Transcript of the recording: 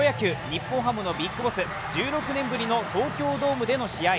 日本ハムのＢＩＧＢＯＳＳ、１６年ぶりの東京ドームでの試合。